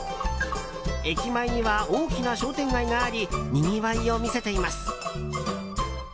駅前には大きな商店街がありにぎわいを見せています。